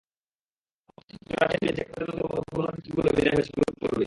অথচ Russia, Sweden, চেক প্রজাতন্ত্রের মতো পুরোনো শক্তিগুলোর বিদায় হয়েছে গ্রুপ পর্বেই।